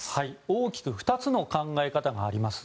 大きく２つの考え方があります。